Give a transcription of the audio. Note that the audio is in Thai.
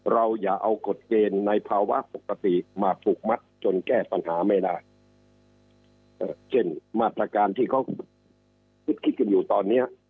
ปัญหาไม่ได้เช่นมาตรการที่เขาคิดคิดกันอยู่ตอนนี้